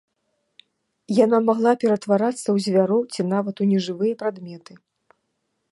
Яна магла ператварацца ў звяроў ці нават у нежывыя прадметы.